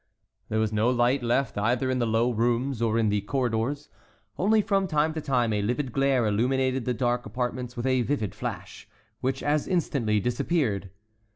There was no light left either in the low rooms or in the corridors, only from time to time a livid glare illuminated the dark apartments with a vivid flash, which as instantly disappeared.